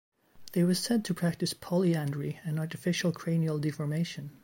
They were said to practice Polyandry and Artificial cranial deformation.